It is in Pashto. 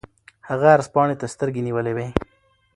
هغه عرض پاڼې ته سترګې نیولې وې.